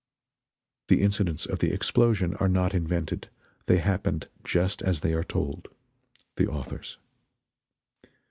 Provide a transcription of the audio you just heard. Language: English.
[The incidents of the explosion are not invented. They happened just as they are told. The Authors.